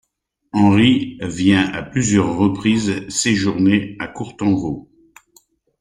Henri vient à plusieurs reprises séjourner à Courtanvaux.